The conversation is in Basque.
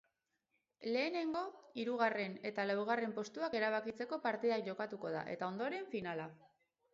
Lehenego, hirugarren eta laugarren postuak erabakitzeko partida jokatuko da eta ondoren finala.